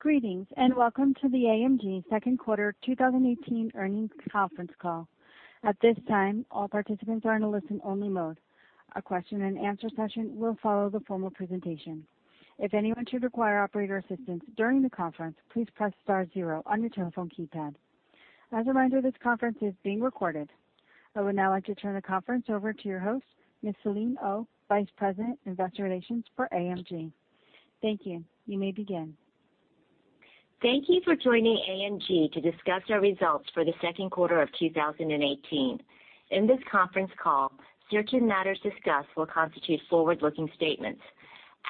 Greetings, welcome to the AMG Second Quarter 2018 Earnings Conference Call. At this time, all participants are in a listen-only mode. A question-and-answer session will follow the formal presentation. If anyone should require operator assistance during the conference, please press star zero on your telephone keypad. As a reminder, this conference is being recorded. I would now like to turn the conference over to your host, Ms. Celine Oh, Vice President, Investor Relations for AMG. Thank you. You may begin. Thank you for joining AMG to discuss our results for the second quarter of 2018. In this conference call, certain matters discussed will constitute forward-looking statements.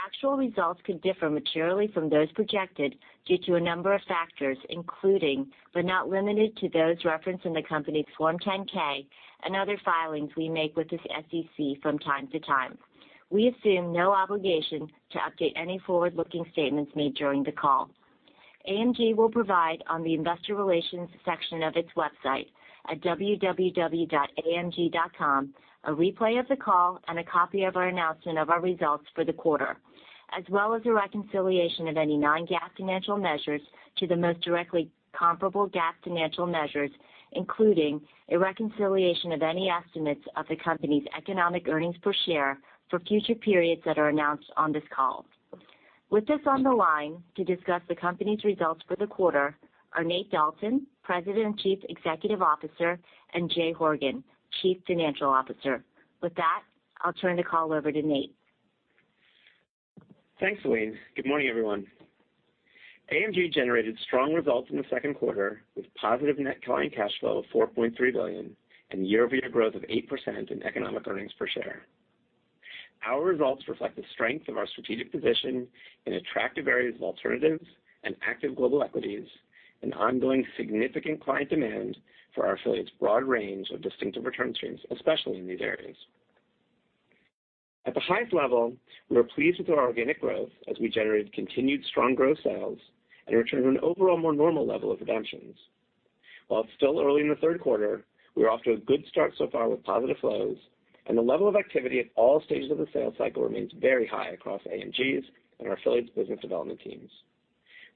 Actual results could differ materially from those projected due to a number of factors, including, but not limited to those referenced in the company's Form 10-K and other filings we make with the SEC from time to time. We assume no obligation to update any forward-looking statements made during the call. AMG will provide on the investor relations section of its website at www.amg.com a replay of the call and a copy of our announcement of our results for the quarter, as well as a reconciliation of any non-GAAP financial measures to the most directly comparable GAAP financial measures, including a reconciliation of any estimates of the company's economic earnings per share for future periods that are announced on this call. With us on the line to discuss the company's results for the quarter are Nathaniel Dalton, President and Chief Executive Officer, and Jay Horgen, Chief Financial Officer. With that, I'll turn the call over to Nate. Thanks, Celine. Good morning, everyone. AMG generated strong results in the second quarter with positive net client cash flow of $4.3 billion and year-over-year growth of 8% in economic earnings per share. Our results reflect the strength of our strategic position in attractive areas of alternatives and active global equities, and ongoing significant client demand for our affiliates' broad range of distinctive return streams, especially in these areas. At the highest level, we are pleased with our organic growth as we generated continued strong growth sales and a return to an overall more normal level of redemptions. While it's still early in the third quarter, we are off to a good start so far with positive flows, and the level of activity at all stages of the sales cycle remains very high across AMG's and our affiliates' business development teams.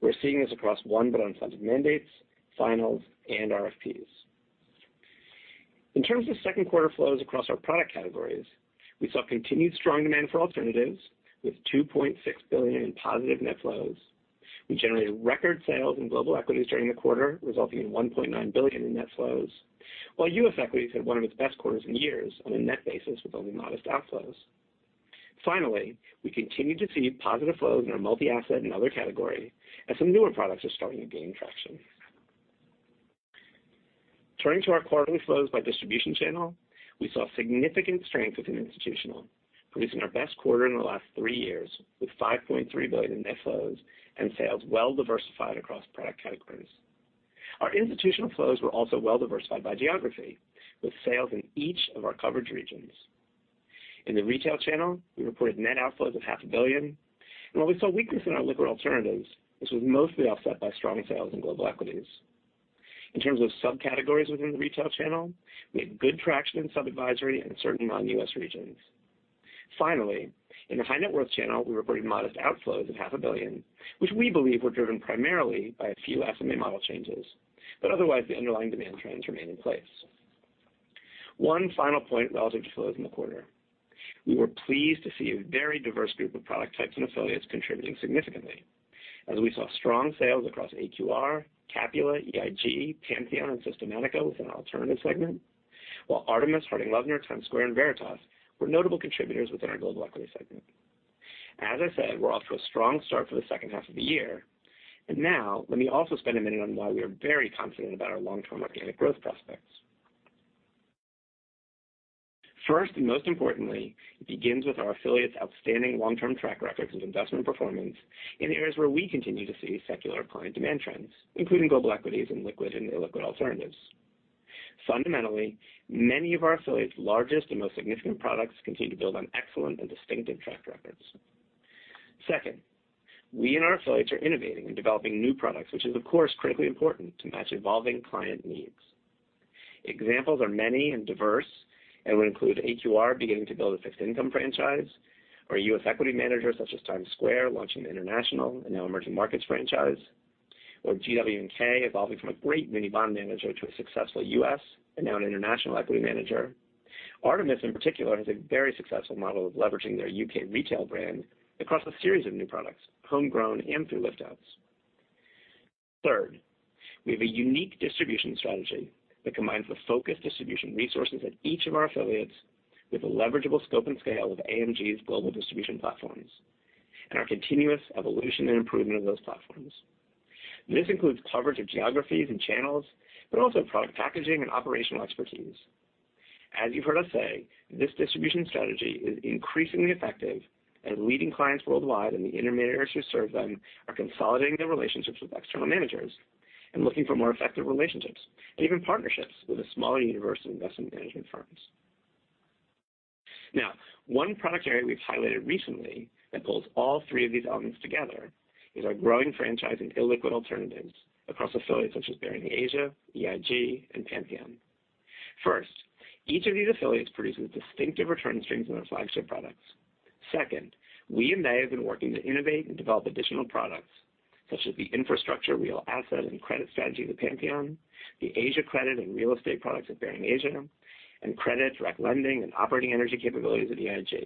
We're seeing this across won but unfunded mandates, finals, and RFPs. In terms of second quarter flows across our product categories, we saw continued strong demand for alternatives with $2.6 billion in positive net flows. We generated record sales in global equities during the quarter, resulting in $1.9 billion in net flows, while U.S. equities had one of its best quarters in years on a net basis with only modest outflows. Finally, we continue to see positive flows in our multi-asset and other category as some newer products are starting to gain traction. Turning to our quarterly flows by distribution channel, we saw significant strength within institutional, producing our best quarter in the last 3 years with $5.3 billion in net flows and sales well diversified across product categories. Our institutional flows were also well diversified by geography, with sales in each of our coverage regions. In the retail channel, we reported net outflows of half a billion, while we saw weakness in our liquid alternatives, this was mostly offset by strong sales in global equities. In terms of subcategories within the retail channel, we had good traction in sub-advisory and certain non-U.S. regions. Finally, in the high net worth channel, we reported modest outflows of half a billion, which we believe were driven primarily by a few SMA model changes. Otherwise, the underlying demand trends remain in place. One final point relative to flows in the quarter. We were pleased to see a very diverse group of product types and affiliates contributing significantly as we saw strong sales across AQR, Capula, EIG, Pantheon, and Systematica within our alternative segment, while Artemis, Harding Loevner, TimesSquare and Veritas were notable contributors within our global equity segment. As I said, we're off to a strong start for the second half of the year. Now let me also spend a minute on why we are very confident about our long-term organic growth prospects. First, and most importantly, it begins with our affiliates' outstanding long-term track records of investment performance in areas where we continue to see secular client demand trends, including global equities and liquid and illiquid alternatives. Fundamentally, many of our affiliates' largest and most significant products continue to build on excellent and distinctive track records. Second, we and our affiliates are innovating and developing new products, which is, of course, critically important to match evolving client needs. Examples are many and diverse and would include AQR beginning to build a fixed income franchise or a U.S. equity manager such as TimesSquare launching an international and now emerging markets franchise, or GW&K evolving from a great muni bond manager to a successful U.S. and now an international equity manager. Artemis, in particular, has a very successful model of leveraging their U.K. retail brand across a series of new products, homegrown and through lift outs. Third, we have a unique distribution strategy that combines the focused distribution resources at each of our affiliates with the leverageable scope and scale of AMG's global distribution platforms and our continuous evolution and improvement of those platforms. This includes coverage of geographies and channels, but also product packaging and operational expertise. As you've heard us say, this distribution strategy is increasingly effective as leading clients worldwide and the intermediaries who serve them are consolidating their relationships with external managers and looking for more effective relationships and even partnerships with a smaller universe of investment management firms. One product area we've highlighted recently that pulls all three of these elements together is our growing franchise in illiquid alternatives across affiliates such as Baring Asia, EIG, and Pantheon. First, each of these affiliates produces distinctive return streams in their flagship products. Second, we and they have been working to innovate and develop additional products, such as the infrastructure, real asset, and credit strategies of Pantheon, the Asia credit and real estate products of Baring Asia, and credit direct lending and operating energy capabilities of EIG.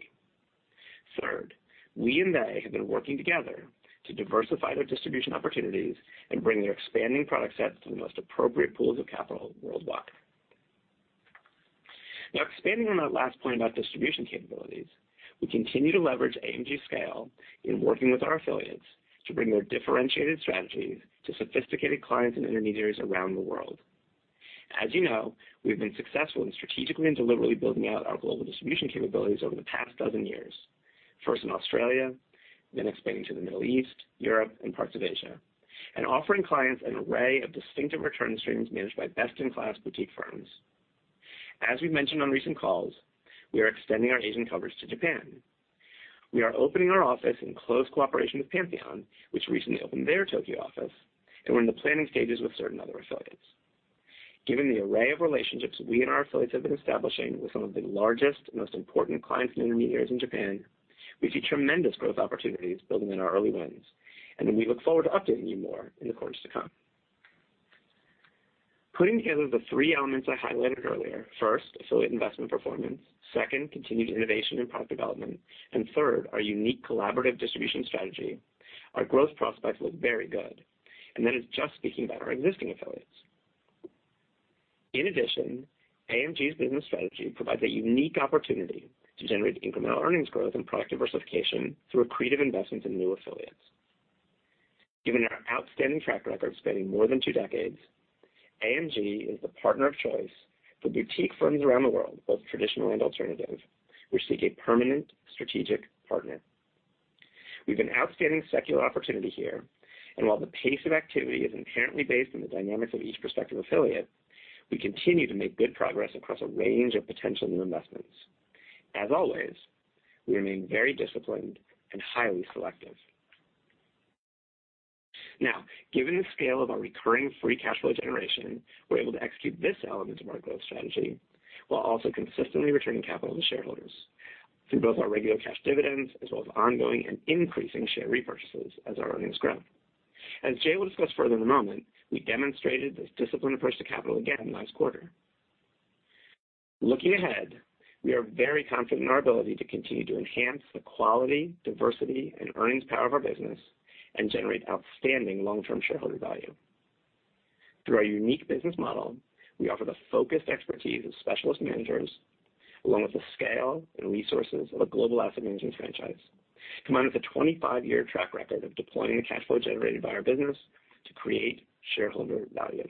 Third, we and they have been working together to diversify their distribution opportunities and bring their expanding product sets to the most appropriate pools of capital worldwide. Expanding on that last point about distribution capabilities, we continue to leverage AMG scale in working with our affiliates to bring their differentiated strategies to sophisticated clients and intermediaries around the world. As you know, we've been successful in strategically and deliberately building out our global distribution capabilities over the past dozen years. First in Australia, then expanding to the Middle East, Europe, and parts of Asia, and offering clients an array of distinctive return streams managed by best-in-class boutique firms. As we've mentioned on recent calls, we are extending our Asian coverage to Japan. We are opening our office in close cooperation with Pantheon, which recently opened their Tokyo office, and we're in the planning stages with certain other affiliates. Given the array of relationships we and our affiliates have been establishing with some of the largest, most important clients and intermediaries in Japan, we see tremendous growth opportunities building on our early wins. We look forward to updating you more in the quarters to come. Putting together the three elements I highlighted earlier, first, affiliate investment performance, second, continued innovation and product development, and third, our unique collaborative distribution strategy, our growth prospects look very good. In addition, AMG's business strategy provides a unique opportunity to generate incremental earnings growth and product diversification through accretive investments in new affiliates. Given our outstanding track record spanning more than two decades, AMG is the partner of choice for boutique firms around the world, both traditional and alternative, which seek a permanent strategic partner. We have an outstanding secular opportunity here, and while the pace of activity is inherently based on the dynamics of each prospective affiliate, we continue to make good progress across a range of potential new investments. As always, we remain very disciplined and highly selective. Given the scale of our recurring free cash flow generation, we're able to execute this element of our growth strategy, while also consistently returning capital to shareholders through both our regular cash dividends as well as ongoing and increasing share repurchases as our earnings grow. As Jay Horgen will discuss further in a moment, we demonstrated this disciplined approach to capital again last quarter. Looking ahead, we are very confident in our ability to continue to enhance the quality, diversity, and earnings power of our business and generate outstanding long-term shareholder value. Through our unique business model, we offer the focused expertise of specialist managers, along with the scale and resources of a global asset management franchise, combined with a 25-year track record of deploying the cash flow generated by our business to create shareholder value.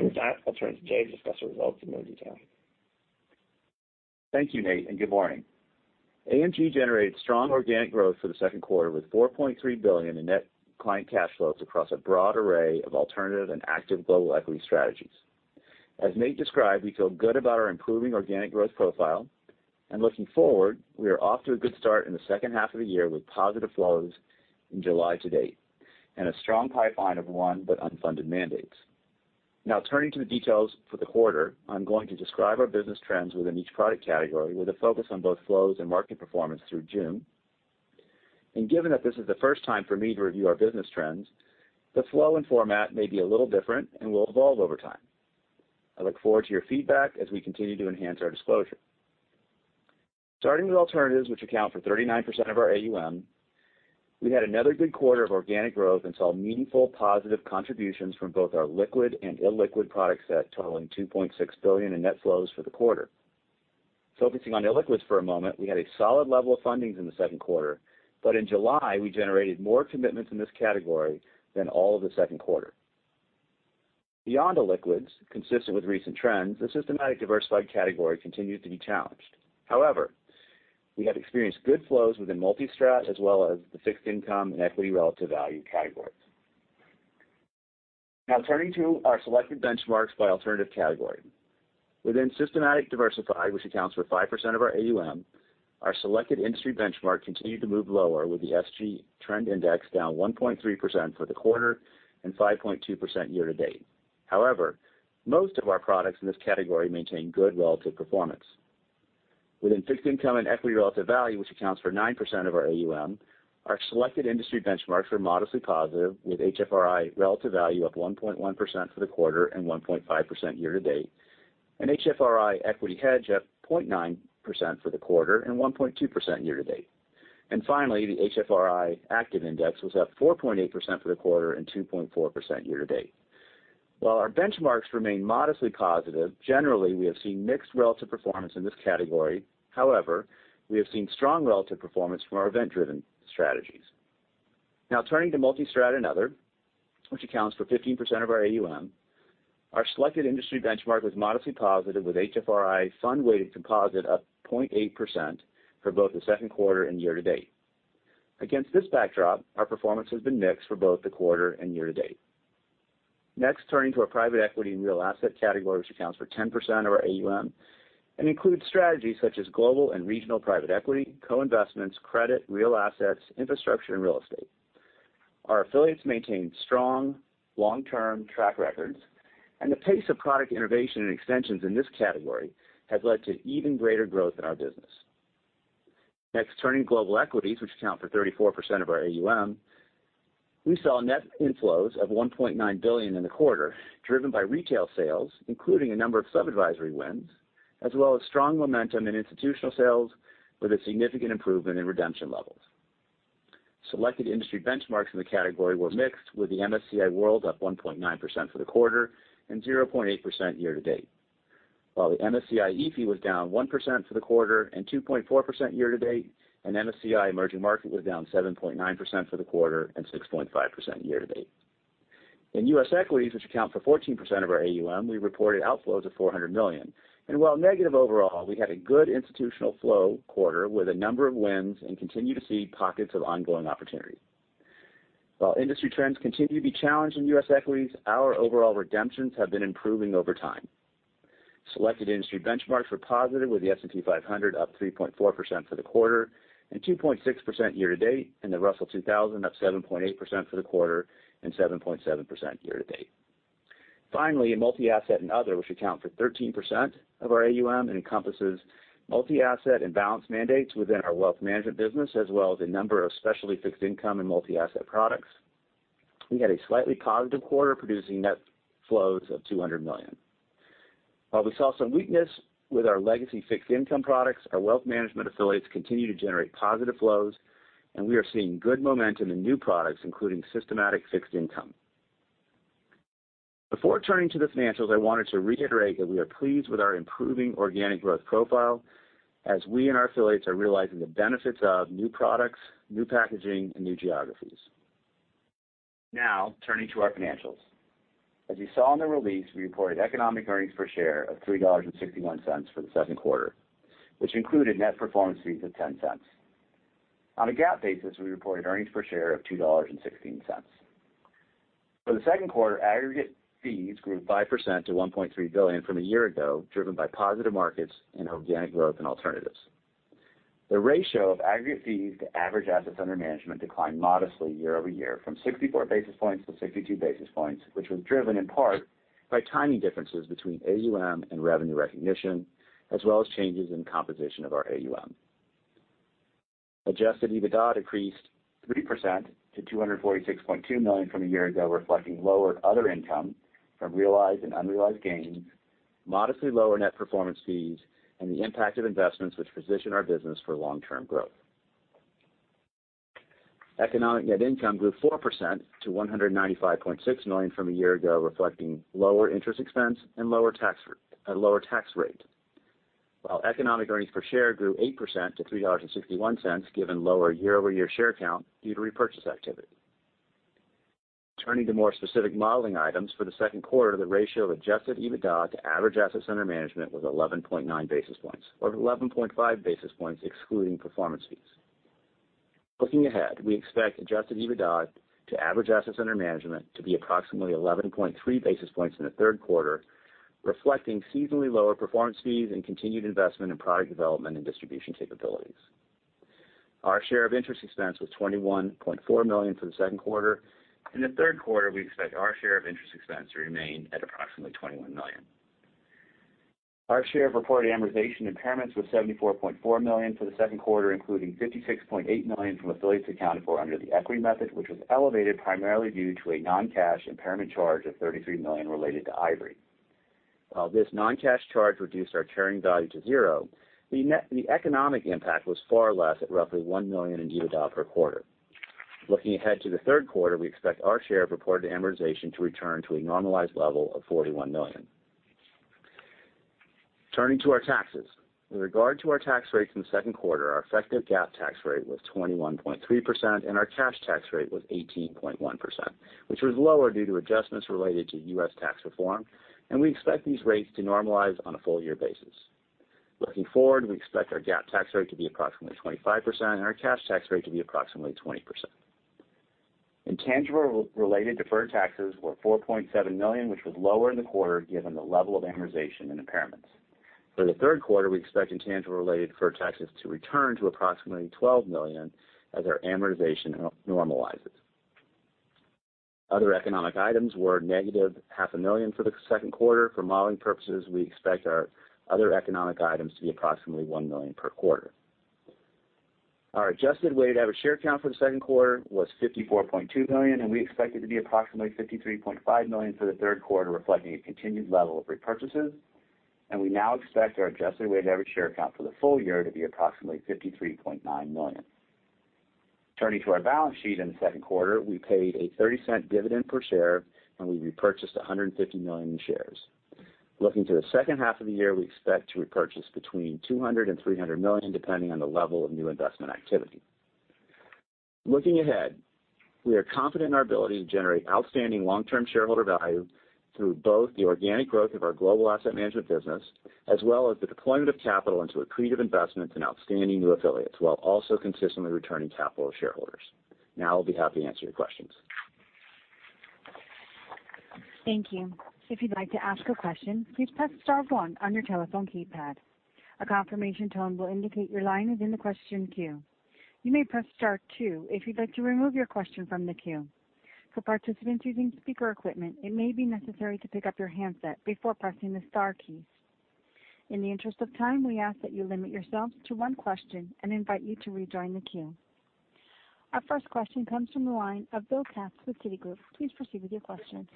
With that, I'll turn to Jay to discuss the results in more detail. Thank you, Nate, and good morning. AMG generated strong organic growth for the second quarter with $4.3 billion in net client cash flows across a broad array of alternative and active global equity strategies. As Nate described, we feel good about our improving organic growth profile. Looking forward, we are off to a good start in the second half of the year with positive flows in July to date, and a strong pipeline of won but unfunded mandates. Turning to the details for the quarter, I'm going to describe our business trends within each product category with a focus on both flows and market performance through June. Given that this is the first time for me to review our business trends, the flow and format may be a little different and will evolve over time. I look forward to your feedback as we continue to enhance our disclosure. Starting with alternatives, which account for 39% of our AUM, we had another good quarter of organic growth and saw meaningful positive contributions from both our liquid and illiquid product set totaling $2.6 billion in net flows for the quarter. Focusing on illiquids for a moment, we had a solid level of fundings in the second quarter, but in July, we generated more commitments in this category than all of the second quarter. Beyond illiquids, consistent with recent trends, the systematic diversified category continued to be challenged. However, we have experienced good flows within multi-strat, as well as the fixed income and equity relative value categories. Turning to our selected benchmarks by alternative category. Within systematic diversified, which accounts for 5% of our AUM, our selected industry benchmark continued to move lower with the SG Trend Index down 1.3% for the quarter and 5.2% year to date. However, most of our products in this category maintain good relative performance. Within fixed income and equity relative value, which accounts for 9% of our AUM, our selected industry benchmarks were modestly positive, with HFRI relative value up 1.1% for the quarter and 1.5% year to date. HFRI Equity Hedge up 0.9% for the quarter and 1.2% year to date. Finally, the HFRI Activist Index was up 4.8% for the quarter and 2.4% year to date. While our benchmarks remain modestly positive, generally, we have seen mixed relative performance in this category. However, we have seen strong relative performance from our event-driven strategies. Now turning to multi-strat and other, which accounts for 15% of our AUM. Our selected industry benchmark was modestly positive, with HFRI Fund Weighted Composite up 0.8% for both the second quarter and year-to-date. Against this backdrop, our performance has been mixed for both the quarter and year-to-date. Next, turning to our private equity and real asset category, which accounts for 10% of our AUM and includes strategies such as global and regional private equity, co-investments, credit, real assets, infrastructure, and real estate. Our affiliates maintain strong long-term track records, and the pace of product innovation and extensions in this category has led to even greater growth in our business. Next, turning global equities, which account for 34% of our AUM. We saw net inflows of $1.9 billion in the quarter, driven by retail sales, including a number of sub-advisory wins, as well as strong momentum in institutional sales with a significant improvement in redemption levels. Selected industry benchmarks in the category were mixed, with the MSCI World up 1.9% for the quarter and 0.8% year-to-date. While the MSCI EAFE was down 1% for the quarter and 2.4% year-to-date, and MSCI Emerging Markets was down 7.9% for the quarter and 6.5% year-to-date. In U.S. equities, which account for 14% of our AUM, we reported outflows of $400 million, and while negative overall, we had a good institutional flow quarter with a number of wins and continue to see pockets of ongoing opportunity. While industry trends continue to be challenged in U.S. equities, our overall redemptions have been improving over time. Selected industry benchmarks were positive, with the S&P 500 up 3.4% for the quarter and 2.6% year-to-date, and the Russell 2000 up 7.8% for the quarter and 7.7% year-to-date. Finally, in multi-asset and other, which account for 13% of our AUM and encompasses multi-asset and balanced mandates within our wealth management business, as well as a number of specialty fixed income and multi-asset products, we had a slightly positive quarter, producing net flows of $200 million. While we saw some weakness with our legacy fixed income products, our wealth management affiliates continue to generate positive flows, and we are seeing good momentum in new products, including systematic fixed income. Before turning to the financials, I wanted to reiterate that we are pleased with our improving organic growth profile as we and our affiliates are realizing the benefits of new products, new packaging, and new geographies. Now turning to our financials. As you saw in the release, we reported economic earnings per share of $3.61 for the second quarter, which included net performance fees of $0.10. On a GAAP basis, we reported earnings per share of $2.16. For the second quarter, aggregate fees grew 5% to $1.3 billion from a year ago, driven by positive markets and organic growth in alternatives. The ratio of aggregate fees to average assets under management declined modestly year-over-year from 64 basis points to 62 basis points, which was driven in part by timing differences between AUM and revenue recognition, as well as changes in composition of our AUM. Adjusted EBITDA decreased 3% to $246.2 million from a year ago, reflecting lower other income from realized and unrealized gains, modestly lower net performance fees, and the impact of investments which position our business for long-term growth. Economic net income grew 4% to $195.6 million from a year ago, reflecting lower interest expense and lower tax rate. Economic earnings per share grew 8% to $3.61, given lower year-over-year share count due to repurchase activity. Turning to more specific modeling items for the second quarter, the ratio of adjusted EBITDA to average assets under management was 11.9 basis points or 11.5 basis points excluding performance fees. Looking ahead, we expect adjusted EBITDA to average assets under management to be approximately 11.3 basis points in the third quarter, reflecting seasonally lower performance fees and continued investment in product development and distribution capabilities. Our share of interest expense was $21.4 million for the second quarter. In the third quarter, we expect our share of interest expense to remain at approximately $21 million. Our share of reported amortization impairments was $74.4 million for the second quarter, including $56.8 million from affiliates accounted for under the equity method, which was elevated primarily due to a non-cash impairment charge of $33 million related to Ivory. This non-cash charge reduced our carrying value to zero, the economic impact was far less at roughly $1 million in EBITDA per quarter. Looking ahead to the third quarter, we expect our share of reported amortization to return to a normalized level of $41 million. Turning to our taxes. With regard to our tax rates in the second quarter, our effective GAAP tax rate was 21.3% and our cash tax rate was 18.1%, which was lower due to adjustments related to U.S. tax reform, and we expect these rates to normalize on a full-year basis. Looking forward, we expect our GAAP tax rate to be approximately 25% and our cash tax rate to be approximately 20%. Intangible-related deferred taxes were $4.7 million, which was lower in the quarter given the level of amortization and impairments. For the third quarter, we expect intangible-related deferred taxes to return to approximately $12 million as our amortization normalizes. Other economic items were negative $500,000 for the second quarter. For modeling purposes, we expect our other economic items to be approximately $1 million per quarter. Our adjusted weighted average share count for the second quarter was 54.2 million, and we expect it to be approximately 53.5 million for the third quarter, reflecting a continued level of repurchases, and we now expect our adjusted weighted average share count for the full year to be approximately 53.9 million. Turning to our balance sheet in the second quarter, we paid a $0.30 dividend per share and we repurchased $150 million in shares. Looking to the second half of the year, we expect to repurchase between $200 million and $300 million, depending on the level of new investment activity. Looking ahead, we are confident in our ability to generate outstanding long-term shareholder value through both the organic growth of our global asset management business as well as the deployment of capital into accretive investments and outstanding new affiliates while also consistently returning capital to shareholders. Now I'll be happy to answer your questions. Thank you. If you'd like to ask a question, please press star one on your telephone keypad. A confirmation tone will indicate your line is in the question queue. You may press star two if you'd like to remove your question from the queue. For participants using speaker equipment, it may be necessary to pick up your handset before pressing the star keys. In the interest of time, we ask that you limit yourself to one question and invite you to rejoin the queue. Our first question comes from the line of William Katz with Citigroup. Please proceed with your question.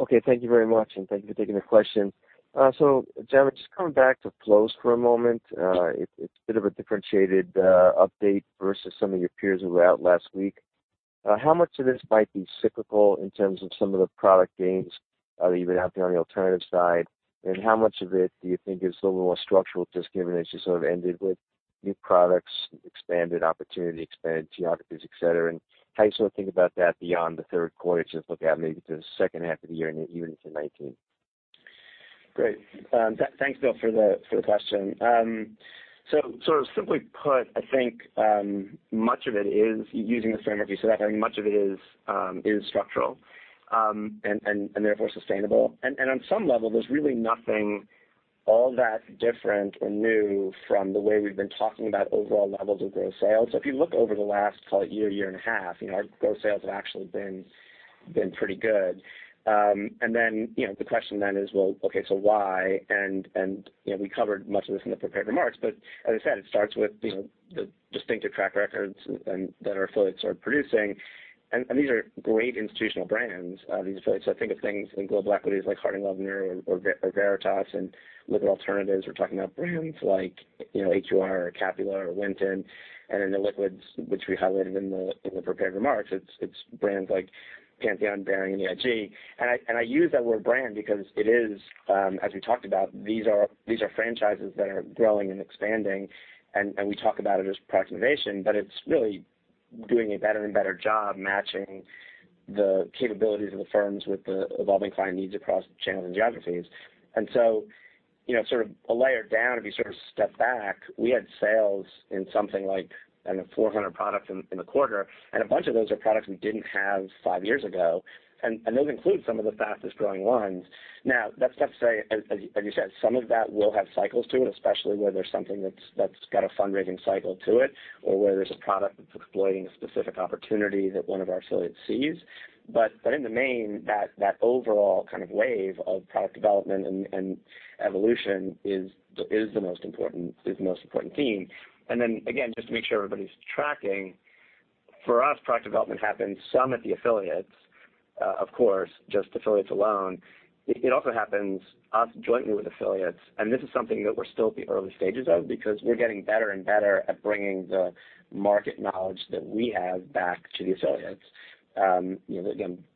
Okay, thank you very much, and thank you for taking the question. Jay, just coming back to flows for a moment. It's a bit of a differentiated update versus some of your peers who were out last week. How much of this might be cyclical in terms of some of the product gains that you've been having on the alternatives side, and how much of it do you think is a little more structural, just given as you sort of ended with new products, expanded opportunity, expanded geographies, et cetera, and how you sort of think about that beyond the third quarter to look out maybe to the second half of the year and even into 2019? Great. Thanks, Bill, for the question. Simply put, I think much of it is using the framework you set out, I think much of it is structural, and therefore sustainable. On some level, there's really nothing all that different or new from the way we've been talking about overall levels of gross sales. If you look over the last, call it year and a half, our gross sales have actually been pretty good. The question then is, okay, why? We covered much of this in the prepared remarks, but as I said, it starts with the distinctive track records that our affiliates are producing. These are great institutional brands, these affiliates. Think of things in global equities like Harding Loevner or Veritas, and liquid alternatives, we're talking about brands like AQR or Capula or Winton, and in the liquids, which we highlighted in the prepared remarks, it's brands like Pantheon, Baring, and EIG. I use that word brand because it is, as we talked about, these are franchises that are growing and expanding, and we talk about it as product innovation, but it's really doing a better and better job matching the capabilities of the firms with the evolving client needs across channels and geographies. A layer down, if you step back, we had sales in something like 400 products in the quarter, and a bunch of those are products we didn't have five years ago. Those include some of the fastest-growing ones. That's not to say, as you said, some of that will have cycles to it, especially where there's something that's got a fundraising cycle to it, or where there's a product that's exploiting a specific opportunity that one of our affiliates sees. In the main, that overall kind of wave of product development and evolution is the most important theme. Again, just to make sure everybody's tracking, for us, product development happens some at the affiliates, of course, just affiliates alone. It also happens us jointly with affiliates, and this is something that we're still at the early stages of because we're getting better and better at bringing the market knowledge that we have back to the affiliates.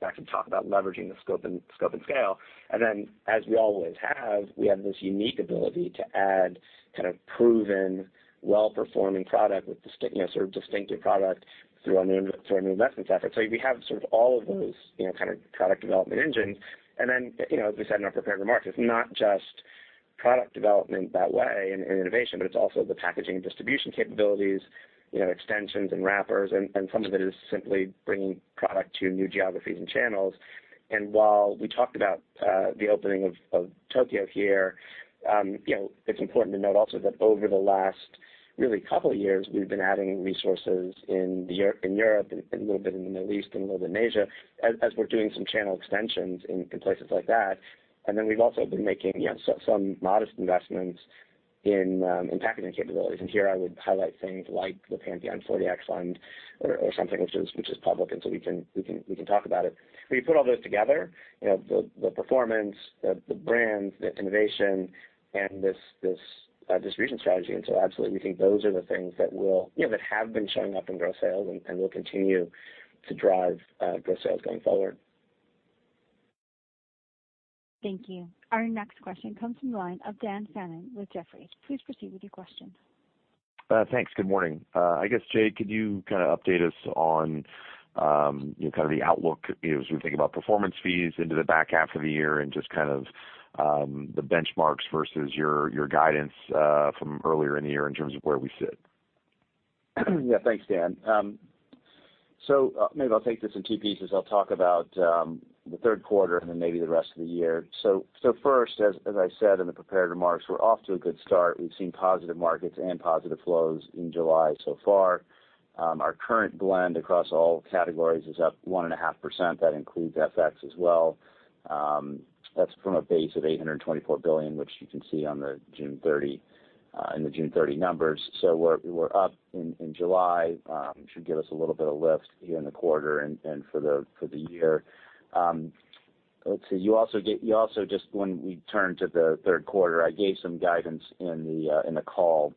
Back to talk about leveraging the scope and scale. As we always have, we have this unique ability to add kind of proven, well-performing product with the stickiness or distinctive product through our new investments effort. We have sort of all of those, kind of product development engines. As we said in our prepared remarks, it's not just product development that way and innovation, but it's also the packaging and distribution capabilities, extensions and wrappers, and some of it is simply bringing product to new geographies and channels. While we talked about the opening of Tokyo here, it's important to note also that over the last really couple years, we've been adding resources in Europe, and a little bit in the Middle East, and a little bit in Asia, as we're doing some channel extensions in places like that. We've also been making some modest investments in packaging capabilities. Here I would highlight things like the Pantheon '40 Act fund or something which is public, so we can talk about it. When you put all those together, the performance, the brands, the innovation, and this region strategy into absolutely we think those are the things that have been showing up in gross sales and will continue to drive gross sales going forward. Thank you. Our next question comes from the line of Daniel Fannon with Jefferies. Please proceed with your question. Thanks. Good morning. Jay, could you update us on the outlook as we think about performance fees into the back half of the year and just the benchmarks versus your guidance from earlier in the year in terms of where we sit? Thanks, Dan. Maybe I'll take this in two pieces. I'll talk about the third quarter and then maybe the rest of the year. First, as I said in the prepared remarks, we're off to a good start. We've seen positive markets and positive flows in July so far. Our current blend across all categories is up 1.5%. That includes FX as well. That's from a base of $824 billion, which you can see in the June 30 numbers. We're up in July. Should give us a little bit of lift here in the quarter and for the year. Let's see. You also just when we turned to the third quarter, I gave some guidance in the call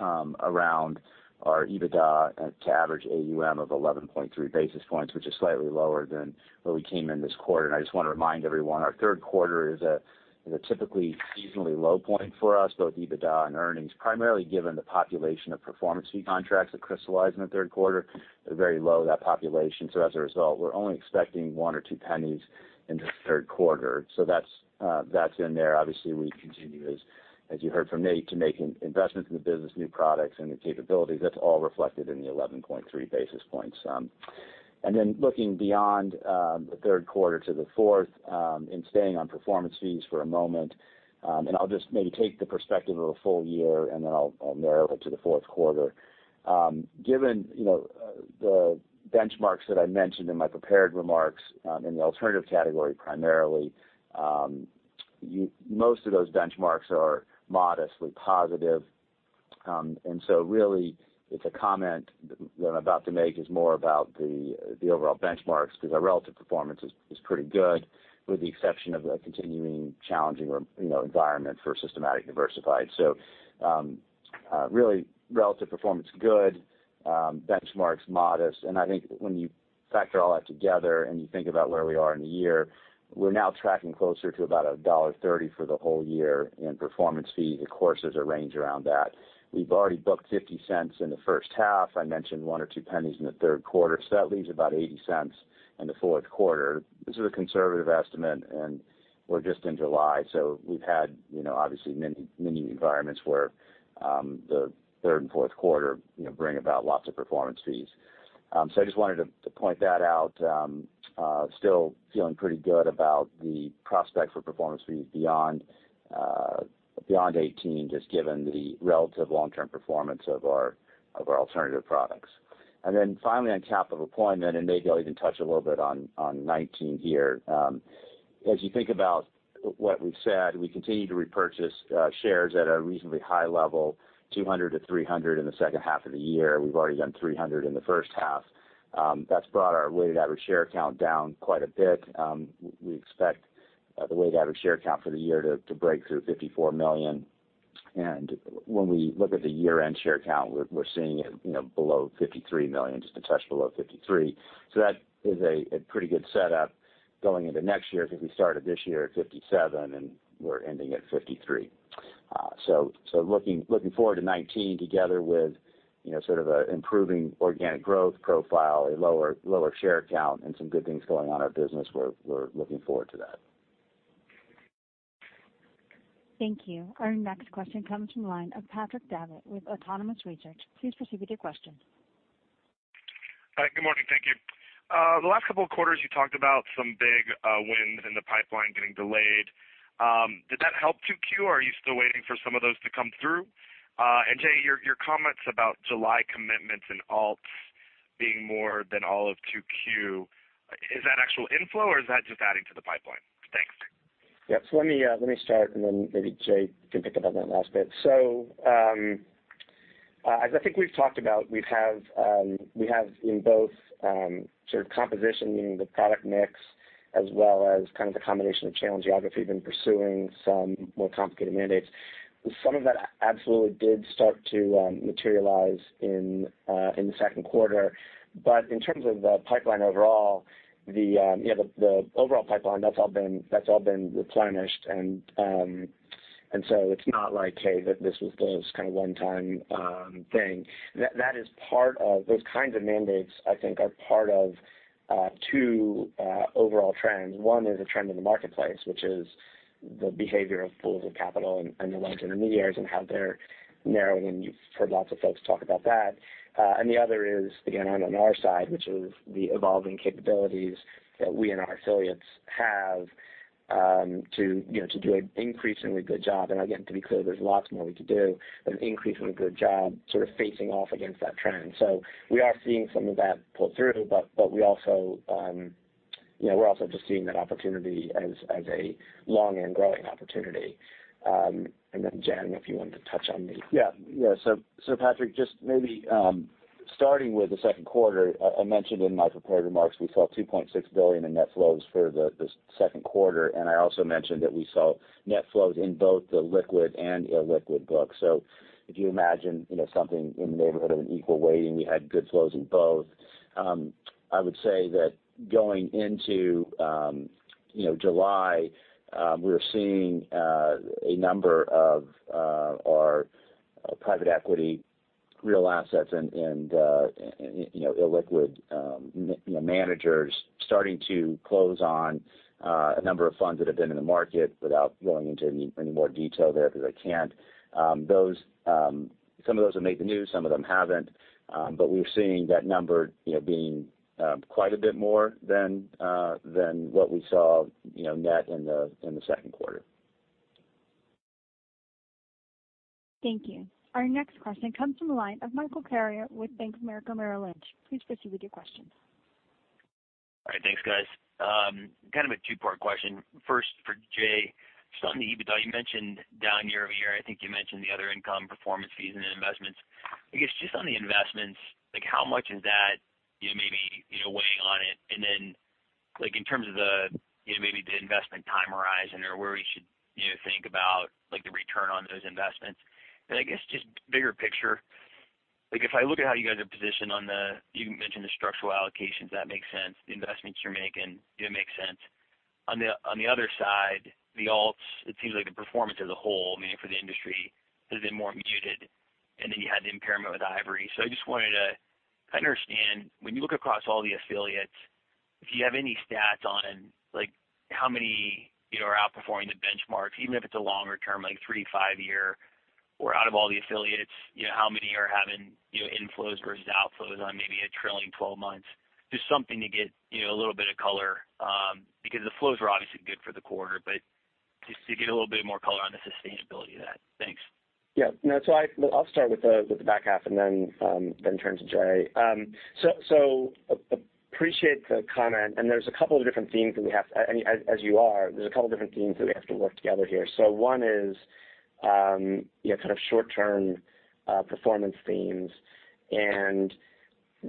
around our EBITDA to average AUM of 11.3 basis points, which is slightly lower than where we came in this quarter. I just want to remind everyone, our third quarter is a typically seasonally low point for us, both EBITDA and earnings, primarily given the population of performance fee contracts that crystallize in the third quarter. They're very low, that population. As a result, we're only expecting $0.01 or $0.02 in the third quarter. That's in there. Obviously, we continue, as you heard from me, to making investments in the business, new products, and new capabilities. That's all reflected in the 11.3 basis points. Looking beyond the third quarter to the fourth, and staying on performance fees for a moment, and I'll just maybe take the perspective of a full year, and then I'll narrow it to the fourth quarter. Given the benchmarks that I mentioned in my prepared remarks, in the alternative category primarily, most of those benchmarks are modestly positive. Really, it's a comment that I'm about to make is more about the overall benchmarks, because our relative performance is pretty good, with the exception of a continuing challenging environment for systematic diversified. Really, relative performance good, benchmarks modest. I think when you factor all that together and you think about where we are in the year, we're now tracking closer to about $1.30 for the whole year in performance fee. Of course, there's a range around that. We've already booked $0.50 in the first half. I mentioned $0.01 or $0.02 in the third quarter, so that leaves about $0.80 in the fourth quarter. This is a conservative estimate, and we're just in July, so we've had obviously many environments where the third and fourth quarter bring about lots of performance fees. I just wanted to point that out. Still feeling pretty good about the prospect for performance fees beyond 2018, just given the relative long-term performance of our alternative products. Finally, on capital deployment, maybe I'll even touch a little bit on 2019 here. As you think about what we've said, we continue to repurchase shares at a reasonably high level, $200 million-$300 million in the second half of the year. We've already done $300 million in the first half. That's brought our weighted average share count down quite a bit. We expect the weighted average share count for the year to break through 54 million. When we look at the year-end share count, we're seeing it below 53 million, just a touch below 53. That is a pretty good setup going into next year, because we started this year at 57, and we're ending at 53. Looking forward to 2019 together with sort of an improving organic growth profile, a lower share count, and some good things going on in our business. We're looking forward to that. Thank you. Our next question comes from the line of Patrick Davitt with Autonomous Research. Please proceed with your question. Hi, good morning. Thank you. The last couple of quarters, you talked about some big wins in the pipeline getting delayed. Did that help 2Q, or are you still waiting for some of those to come through? Jay, your comments about July commitments and alts being more than all of 2Q, is that actual inflow or is that just adding to the pipeline? Thanks. Yeah. Let me start and then maybe Jay can pick up on that last bit. As I think we've talked about, we have in both sort of composition, meaning the product mix as well as kind of the combination of challenge geography, been pursuing some more complicated mandates. Some of that absolutely did start to materialize in the second quarter. In terms of the pipeline overall, that's all been replenished. It's not like, hey, this was this kind of one-time thing. Those kinds of mandates, I think, are part of two overall trends. One is a trend in the marketplace, which is the behavior of pools of capital and the consultants and the intermediaries and how they're narrowing. You've heard lots of folks talk about that. The other is, again, on our side, which is the evolving capabilities that we and our affiliates have to do an increasingly good job. Again, to be clear, there's lots more we could do, an increasingly good job sort of facing off against that trend. We are seeing some of that pull through, we're also just seeing that opportunity as a long and growing opportunity. Jay, if you wanted to touch on the- Yeah. Patrick, just maybe starting with the second quarter, I mentioned in my prepared remarks we saw $2.6 billion in net flows for the second quarter, I also mentioned that we saw net flows in both the liquid and illiquid book. If you imagine something in the neighborhood of an equal weighting, we had good flows in both. I would say that going into July, we're seeing a number of our private equity real assets and illiquid managers starting to close on a number of funds that have been in the market without going into any more detail there because I can't. Some of those have made the news, some of them haven't. We're seeing that number being quite a bit more than what we saw net in the second quarter. Thank you. Our next question comes from the line of Michael Carrier with Bank of America Merrill Lynch. Please proceed with your question. All right. Thanks, guys. Kind of a two-part question. First for Jay, just on the EBITDA, you mentioned down year-over-year, I think you mentioned the other income performance fees and the investments. I guess just on the investments, how much is that maybe weighing on it? In terms of maybe the investment time horizon or where we should think about the return on those investments. I guess just bigger picture, if I look at how you guys are positioned on you mentioned the structural allocations, that makes sense. The investments you're making, it makes sense. On the other side, the alts, it seems like the performance as a whole, meaning for the industry, has been more muted. You had the impairment with Ivory. I just wanted to understand, when you look across all the affiliates, if you have any stats on how many are outperforming the benchmark, even if it's a longer term, like 3-5 year, or out of all the affiliates, how many are having inflows versus outflows on maybe a trailing 12 months. Just something to get a little bit of color, because the flows were obviously good for the quarter, but just to get a little bit more color on the sustainability of that. Thanks. Yeah. I'll start with the back half and then turn to Jay. Appreciate the comment, and there's a couple of different themes that we have. As you are, there's a couple different themes that we have to work together here. One is kind of short-term performance themes.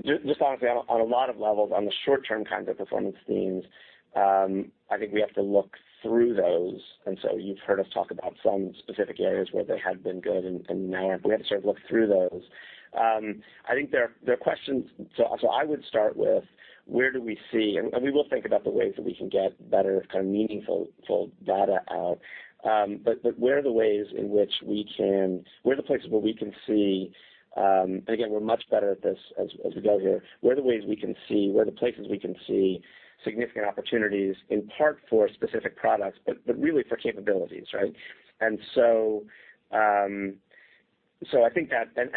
Just honestly, on a lot of levels on the short-term kinds of performance themes, I think we have to look through those. You've heard us talk about some specific areas where they had been good and now we have to sort of look through those. I would start with where do we see, and we will think about the ways that we can get better kind of meaningful data out. Where are the places where we can see, and again, we're much better at this as we go here. Where are the places we can see significant opportunities, in part for specific products, but really for capabilities, right?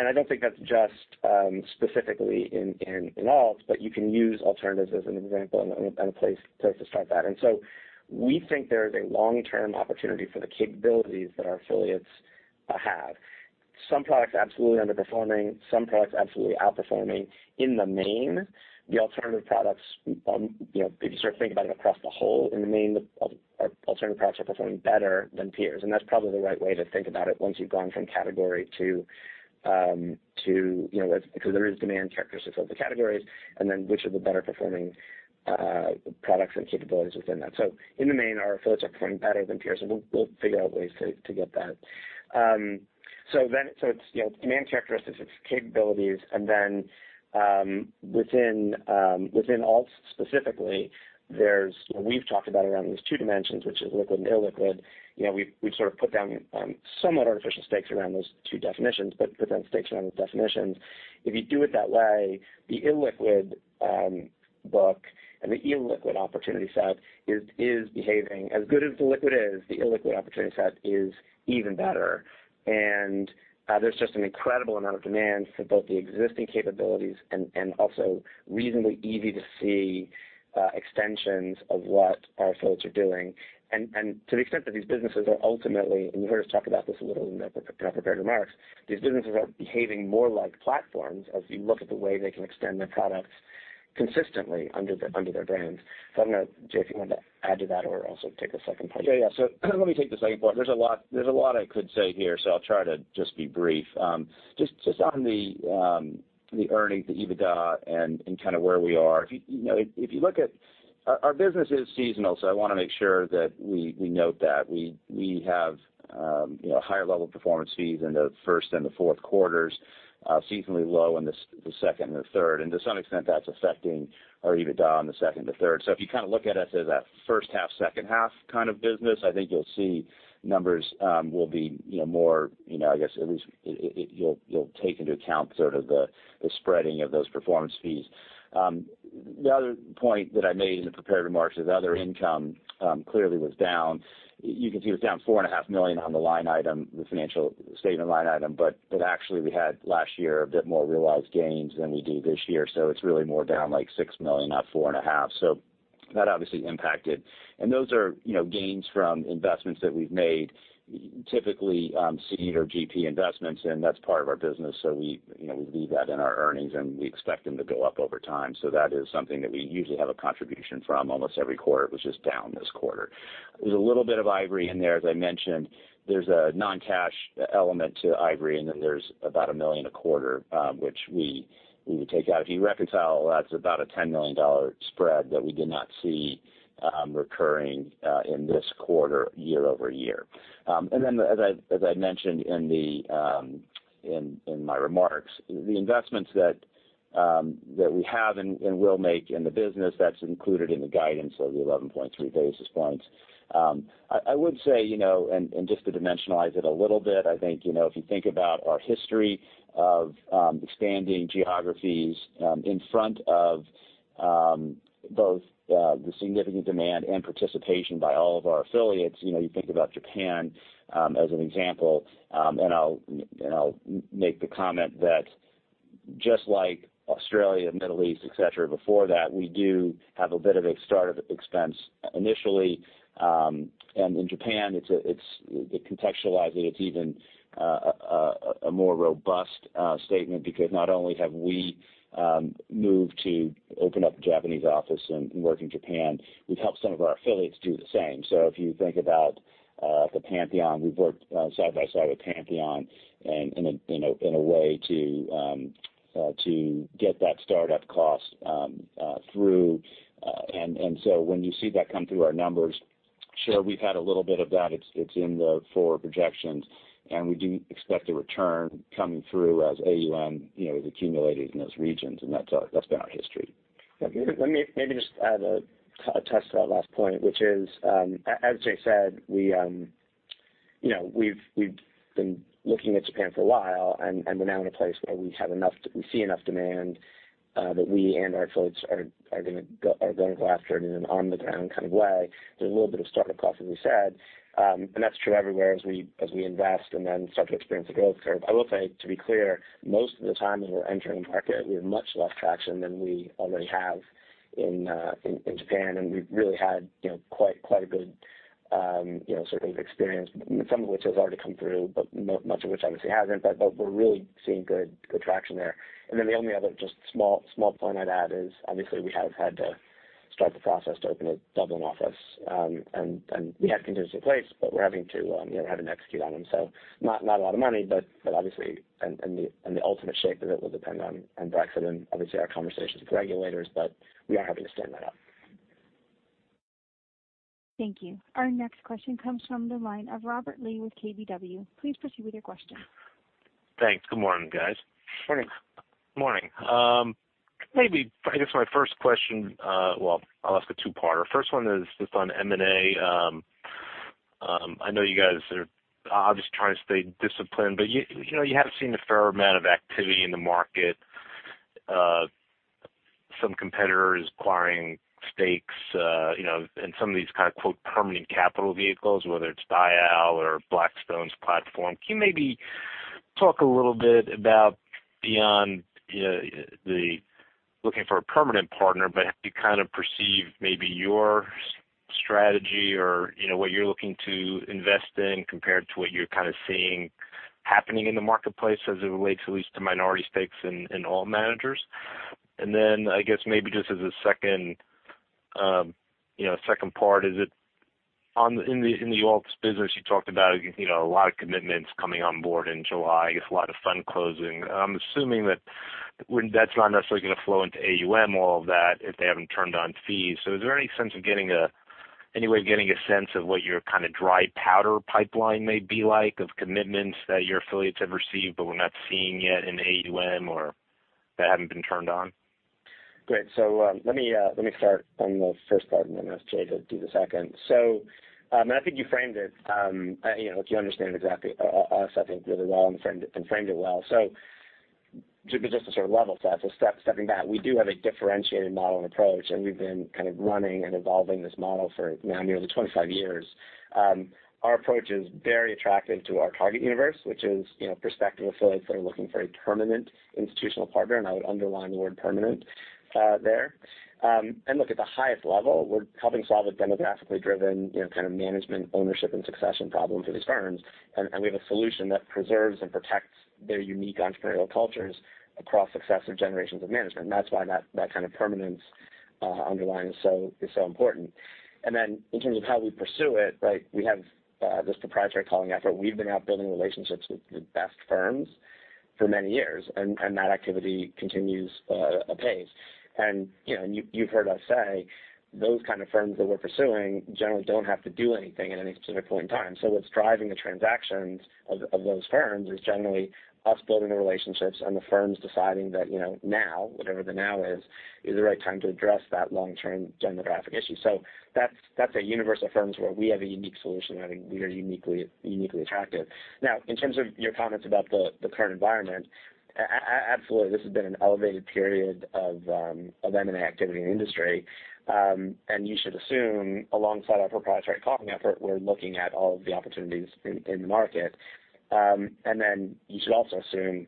I don't think that's just specifically in alts, but you can use alternatives as an example and a place to start that. We think there is a long-term opportunity for the capabilities that our affiliates have. Some products absolutely underperforming, some products absolutely outperforming. In the main, the alternative products, if you sort of think about it across the whole, in the main, the alternative products are performing better than peers. That's probably the right way to think about it once you've gone from category because there is demand characteristics of the categories, and then which are the better performing products and capabilities within that. In the main, our affiliates are performing better than peers, and we'll figure out ways to get that. It's demand characteristics, it's capabilities, and then within alts specifically, we've talked about around these two dimensions, which is liquid and illiquid. We've sort of put down somewhat artificial stakes around those two definitions, but then stakes around those definitions. If you do it that way, the illiquid book and the illiquid opportunity set is behaving as good as the liquid is. The illiquid opportunity set is even better. There's just an incredible amount of demand for both the existing capabilities and also reasonably easy to see extensions of what our affiliates are doing. To the extent that these businesses are ultimately, and you heard us talk about this a little in our prepared remarks, these businesses are behaving more like platforms as you look at the way they can extend their products consistently under their brands. I don't know, Jay, if you want to add to that or also take the second part. Let me take the second part. There's a lot I could say here, so I'll try to just be brief. Just on the earnings, the EBITDA, and kind of where we are. Our business is seasonal, so I want to make sure that we note that. We have higher level performance fees in the first and the fourth quarters, seasonally low in the second and the third. To some extent, that's affecting our EBITDA on the second and the third. If you kind of look at us as that first half, second half kind of business, I think you'll see numbers will be more, I guess at least you'll take into account sort of the spreading of those performance fees. The other point that I made in the prepared remarks is other income clearly was down. You can see it was down $4.5 million on the financial statement line item, but actually we had last year a bit more realized gains than we do this year. It's really more down like $6 million, not four and a half. That obviously impacted. Those are gains from investments that we've made, typically seed or GP investments, and that's part of our business. We leave that in our earnings, and we expect them to go up over time. That is something that we usually have a contribution from almost every quarter. It was just down this quarter. There's a little bit of Ivory in there. As I mentioned, there's a non-cash element to Ivory, and then there's about a million a quarter, which we would take out. If you reconcile, that's about a $10 million spread that we did not see recurring in this quarter year-over-year. As I mentioned in my remarks, the investments that we have and will make in the business, that's included in the guidance of the 11.3 basis points. I would say, and just to dimensionalize it a little bit, I think if you think about our history of expanding geographies in front of both the significant demand and participation by all of our affiliates. You think about Japan as an example, I'll make the comment that just like Australia, Middle East, et cetera, before that, we do have a bit of a startup expense initially. In Japan, contextualizing it's even a more robust statement because not only have we moved to open up a Japanese office and work in Japan, we've helped some of our affiliates do the same. If you think about the Pantheon, we've worked side by side with Pantheon in a way to get that startup cost through. When you see that come through our numbers, sure, we've had a little bit of that. It's in the forward projections, and we do expect a return coming through as AUM is accumulated in those regions, and that's been our history. Let me maybe just attest to that last point, which is as Jay said, We've been looking at Japan for a while, and we're now in a place where we see enough demand that we and our affiliates are going to go after it in an on-the-ground kind of way. There's a little bit of startup costs, as we said, and that's true everywhere as we invest and then start to experience the growth curve. I will say, to be clear, most of the time when we're entering a market, we have much less traction than we already have in Japan, and we've really had quite a good experience, some of which has already come through, but much of which obviously hasn't. We're really seeing good traction there. The only other just small point I'd add is obviously we have had to start the process to open a Dublin office. We have conditions in place, but we're having to execute on them. Not a lot of money, but obviously the ultimate shape of it will depend on Brexit and obviously our conversations with regulators, but we are having to stand that up. Thank you. Our next question comes from the line of Robert Lee with KBW. Please proceed with your question. Thanks. Good morning, guys. Morning. Morning. Maybe I guess my first question, well, I'll ask a two-parter. First one is just on M&A. I know you guys are obviously trying to stay disciplined, but you have seen a fair amount of activity in the market. Some competitors acquiring stakes, and some of these kind of quote "permanent capital vehicles," whether it's Dyal or Blackstone's platform. Can you maybe talk a little bit about beyond the looking for a permanent partner, but how do you kind of perceive maybe your strategy or what you're looking to invest in compared to what you're kind of seeing happening in the marketplace as it relates at least to minority stakes in alt managers? And then, I guess maybe just as a second part, is it in the alts business you talked about a lot of commitments coming on board in July, I guess a lot of fund closing. I'm assuming that that's not necessarily going to flow into AUM, all of that, if they haven't turned on fees. Is there any way of getting a sense of what your kind of dry powder pipeline may be like of commitments that your affiliates have received but we're not seeing yet in AUM or that haven't been turned on? Great. Let me start on the first part and then ask Jay to do the second. I think you framed it, if you understand exactly us, I think really well and framed it well. Just to sort of level set, stepping back, we do have a differentiated model and approach, and we've been kind of running and evolving this model for now nearly 25 years. Our approach is very attractive to our target universe, which is prospective affiliates that are looking for a permanent institutional partner, and I would underline the word permanent there. Look, at the highest level, we're helping solve a demographically driven kind of management ownership and succession problem for these firms. We have a solution that preserves and protects their unique entrepreneurial cultures across successive generations of management. That's why that kind of permanence underline is so important. In terms of how we pursue it, we have this proprietary culling effort. We've been out building relationships with the best firms for many years, and that activity continues apace. You've heard us say those kind of firms that we're pursuing generally don't have to do anything at any specific point in time. What's driving the transactions of those firms is generally us building the relationships and the firms deciding that now, whatever the now is the right time to address that long-term demographic issue. That's a universe of firms where we have a unique solution, and I think we are uniquely attractive. Now, in terms of your comments about the current environment, absolutely, this has been an elevated period of M&A activity in the industry. You should assume alongside our proprietary culling effort, we're looking at all of the opportunities in the market. You should also assume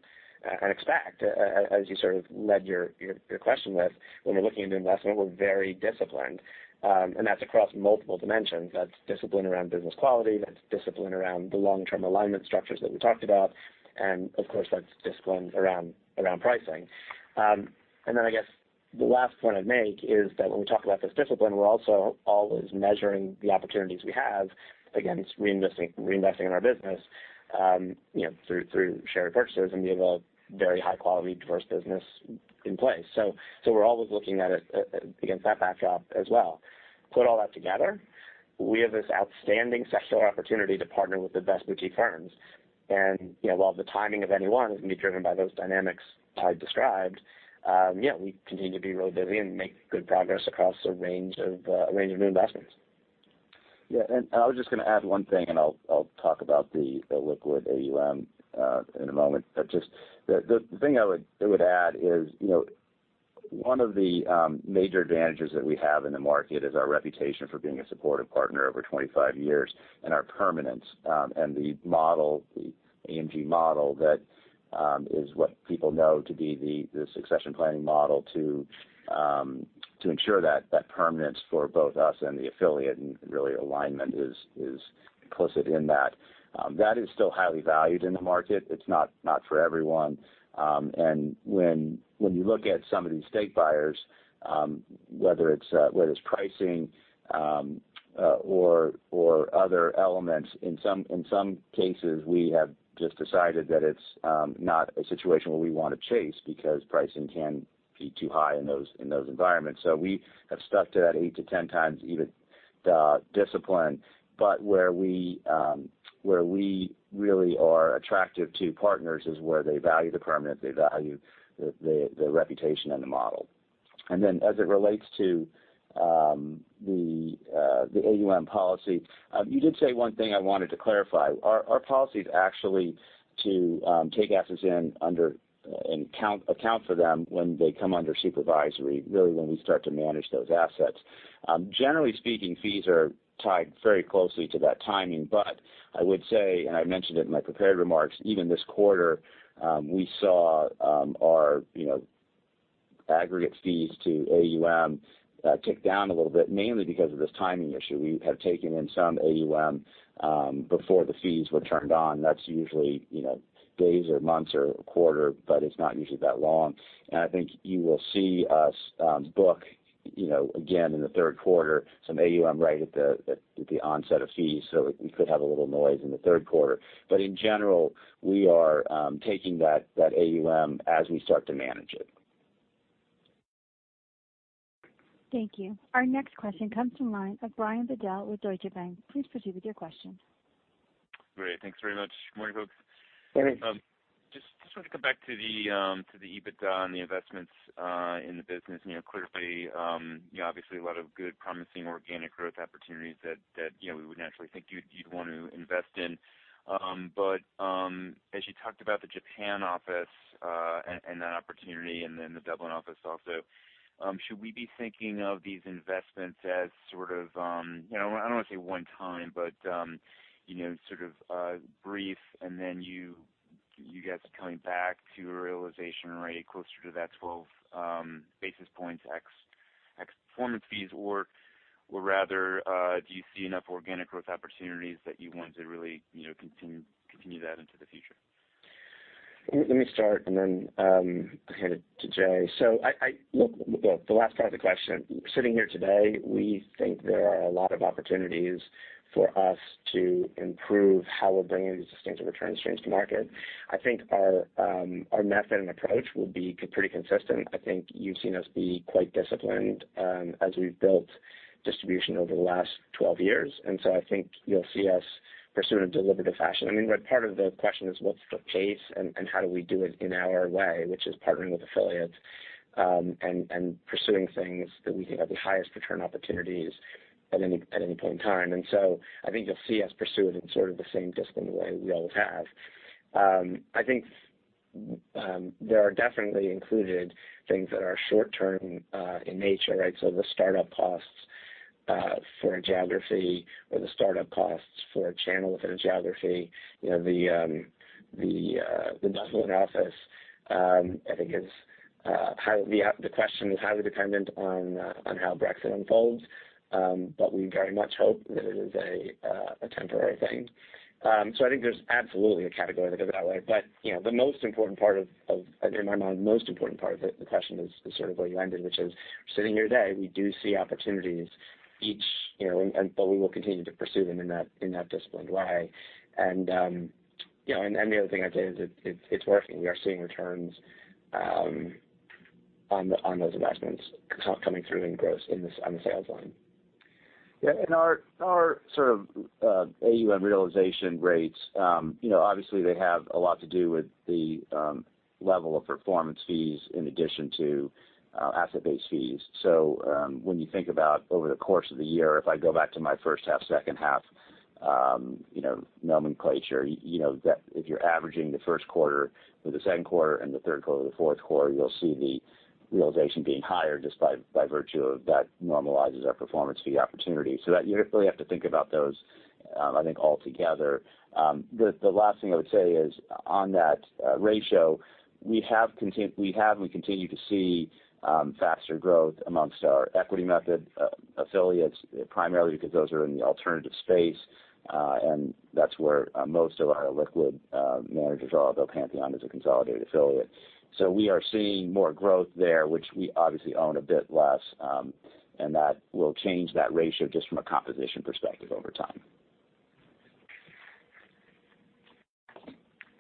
and expect, as you sort of led your question with, when we're looking at an investment, we're very disciplined. That's across multiple dimensions. That's discipline around business quality, that's discipline around the long-term alignment structures that we talked about, and of course, that's discipline around pricing. I guess the last point I'd make is that when we talk about this discipline, we're also always measuring the opportunities we have against reinvesting in our business through share repurchases, and we have a very high-quality, diverse business in place. We're always looking at it against that backdrop as well. Put all that together, we have this outstanding secular opportunity to partner with the best boutique firms. While the timing of any one can be driven by those dynamics I described, yeah, we continue to be really busy and make good progress across a range of new investments. Yeah, I was just going to add one thing. I'll talk about the liquid AUM in a moment. Just the thing I would add is one of the major advantages that we have in the market is our reputation for being a supportive partner over 25 years and our permanence. The AMG model that is what people know to be the succession planning model to ensure that that permanence for both us and the affiliate and really alignment is implicit in that. That is still highly valued in the market. It's not for everyone. When you look at some of these stake buyers, whether it's pricing or other elements, in some cases, we have just decided that it's not a situation where we want to chase because pricing can be too high in those environments. We have stuck to that eight to 10 times EBITDA discipline. Where we really are attractive to partners is where they value the permanence, they value the reputation and the model. As it relates to the AUM policy, you did say one thing I wanted to clarify. Our policy is actually to take assets in under and account for them when they come under supervisory, really, when we start to manage those assets. Generally speaking, fees are tied very closely to that timing. I would say, I mentioned it in my prepared remarks, even this quarter, we saw our aggregate fees to AUM tick down a little bit, mainly because of this timing issue. We have taken in some AUM before the fees were turned on. That's usually days or months or a quarter, but it's not usually that long. I think you will see us book again in the third quarter some AUM right at the onset of fees. We could have a little noise in the third quarter. In general, we are taking that AUM as we start to manage it. Thank you. Our next question comes from the line of Brian Bedell with Deutsche Bank. Please proceed with your question. Great. Thanks very much. Morning, folks. Morning. Just wanted to come back to the EBITDA and the investments in the business. Clearly, obviously a lot of good promising organic growth opportunities that we would naturally think you'd want to invest in. As you talked about the Japan office, and that opportunity, and then the Dublin office also, should we be thinking of these investments as sort of, I don't want to say one-time, but sort of brief, and then you guys coming back to a realization rate closer to that 12 basis points ex performance fees? Rather, do you see enough organic growth opportunities that you want to really continue that into the future? Let me start and then hand it to Jay. Look, the last part of the question, sitting here today, we think there are a lot of opportunities for us to improve how we're bringing these sustainable return streams to market. I think our method and approach will be pretty consistent. I think you've seen us be quite disciplined as we've built distribution over the last 12 years. I think you'll see us pursue in a deliberative fashion. Part of the question is what's the pace and how do we do it in our way, which is partnering with affiliates and pursuing things that we think have the highest return opportunities at any point in time. I think you'll see us pursue it in sort of the same disciplined way we always have. I think there are definitely included things that are short-term in nature, right? The startup costs for a geography or the startup costs for a channel within a geography. The Dublin office, I think the question is highly dependent on how Brexit unfolds, we very much hope that it is a temporary thing. I think there's absolutely a category that goes that way. The most important part of it, in my mind, the most important part of the question is sort of where you ended, which is we're sitting here today, we do see opportunities each, we will continue to pursue them in that disciplined way. The other thing I'd say is it's working. We are seeing returns on those investments coming through in gross on the sales line. Yeah. Our sort of AUM realization rates obviously they have a lot to do with the level of performance fees in addition to asset-based fees. When you think about over the course of the year, if I go back to my first half, second half nomenclature, if you're averaging the first quarter with the second quarter and the third quarter with the fourth quarter, you'll see the realization being higher just by virtue of that normalizes our performance fee opportunity. That you really have to think about those I think all together. The last thing I would say is on that ratio, we have and we continue to see faster growth amongst our equity method affiliates, primarily because those are in the alternative space, and that's where most of our liquid managers are, although Pantheon is a consolidated affiliate. We are seeing more growth there, which we obviously own a bit less. That will change that ratio just from a composition perspective over time.